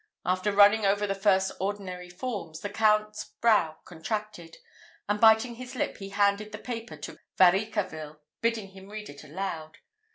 After running over the first ordinary forms, the Count's brow contracted, and, biting his lip, he handed the paper to Varicarville, bidding him read it aloud.